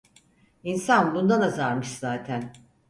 İnsan bundan azarmış zaten.